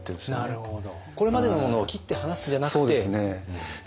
なるほど。